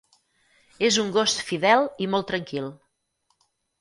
És un gos fidel i molt tranquil.